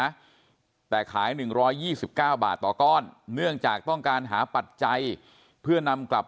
นะแต่ขาย๑๒๙บาทต่อก้อนเนื่องจากต้องการหาปัจจัยเพื่อนำกลับ